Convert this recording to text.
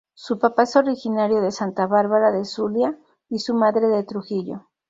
Su papá es originario de Santa Bárbara del Zulia, y su madre de Trujillo.